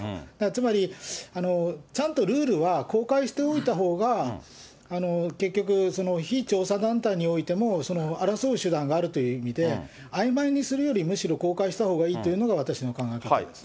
つまり、ちゃんとルールは公開しておいたほうが結局、非調査団体においても争う手段があるという意味で、あいまいにするより、むしろ公開したほうがいいというのが私の考え方です。